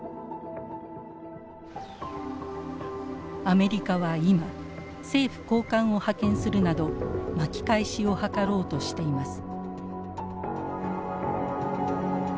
アメリカは今政府高官を派遣するなど巻き返しを図ろうとしています。